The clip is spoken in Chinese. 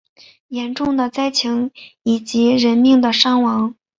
严重的灾情以及人命的伤亡